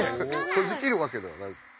閉じきるわけではないんだ。